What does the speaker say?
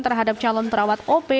terhadap calon perawat op